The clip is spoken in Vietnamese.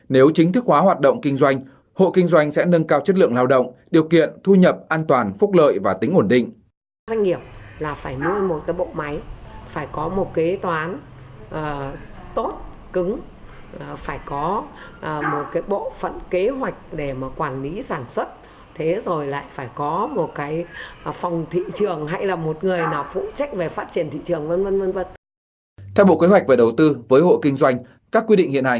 nếu chính thức hóa hoạt động kinh doanh hộ kinh doanh sẽ nâng cao chất lượng lao động điều kiện thu nhập an toàn phúc lợi và tính ổn định